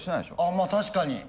あまあ確かに。